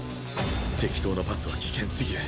適当なパスは危険すぎる